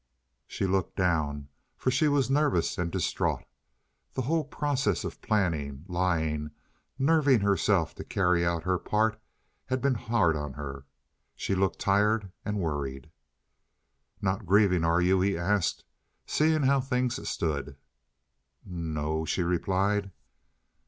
She looked down, for she was nervous and distraught. The whole process of planning, lying, nerving herself to carry out her part had been hard on her. She looked tired and worried. "Not grieving, are you?" he asked, seeing how things stood. "No o," she replied.